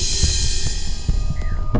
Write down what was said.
tidak ada satu